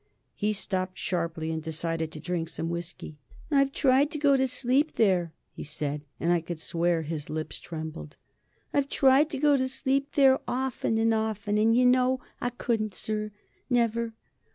He stopped sharply and decided to drink some whisky. "I've tried to go to sleep there," he said, and I could swear his lips trembled. "I've tried to go to sleep there, often and often. And, you know, I couldn't, sir never.